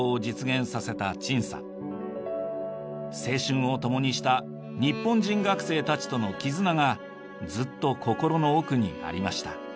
青春を共にした日本人学生たちとの絆がずっと心の奥にありました。